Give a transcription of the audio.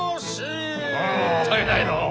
もったいないのう。